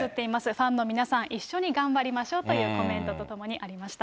ファンの皆さん、一緒に頑張りましょうというコメントとともにありました。